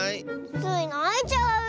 スイないちゃうよ。